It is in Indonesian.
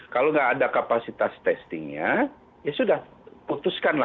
kalau nggak ada kapasitas testingnya ya sudah putuskanlah